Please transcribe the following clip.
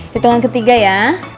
hitungan ketiga ya